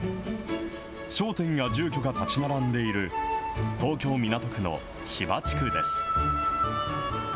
商店や住居が建ち並んでいる東京・港区の芝地区です。